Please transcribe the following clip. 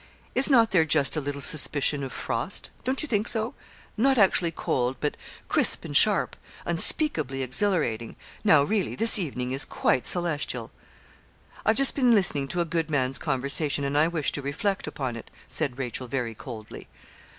Is not there just a little suspicion of frost don't you think so not actually cold, but crisp and sharp unspeakably exhilarating; now really, this evening is quite celestial.' 'I've just been listening to a good man's conversation, and I wish to reflect upon it,' said Rachel, very coldly.